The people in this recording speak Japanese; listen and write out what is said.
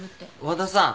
和田さん。